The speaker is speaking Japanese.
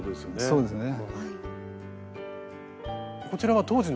そうですね。